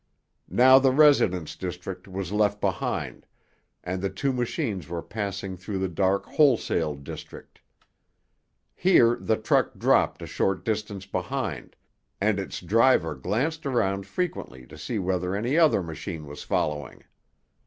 Now the residence district was left behind, and the two machines were passing through the dark wholesale district. Here the truck dropped a short distance behind, and its driver glanced around frequently to see whether any other machine was following.